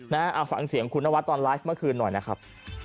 เอาฟังเสียงคุณนวัดตอนไลฟ์เมื่อคืนหน่อยนะครับ